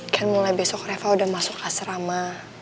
kan mulai besok reva udah masuk asrama